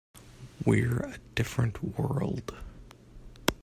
We're a different world.